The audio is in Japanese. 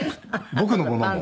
僕のものも。